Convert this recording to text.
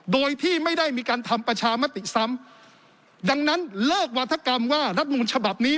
โดยที่ไม่ได้มีการทำประชามติซ้ำดังนั้นเลิกวาธกรรมว่ารัฐมนูลฉบับนี้